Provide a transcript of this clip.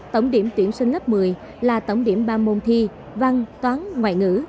tổng điểm tuyển sinh lớp một mươi là tổng điểm ba môn thi văn toán ngoại ngữ